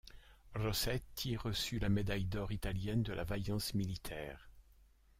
Rossetti reçut la médaille d'or italienne de la vaillance militaire.